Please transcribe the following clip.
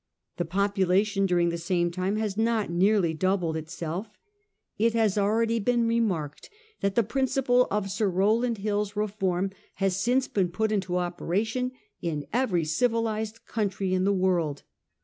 The population during the same time has not nearly doubled itself. It has already been remarked that the principle of Sir Rowland Hill's reform has since been put into operation in every civilised country in the world.